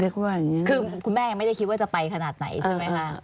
คือคุณแม่ยังไม่ได้คิดว่าจะไปขนาดไหนใช่ไหมคะ